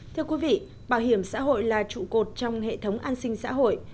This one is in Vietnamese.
thưa quý vị bảo hiểm xã hội là trụ cột trong hệ thống an sinh xã hội